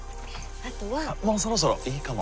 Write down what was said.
あっもうそろそろいいかも。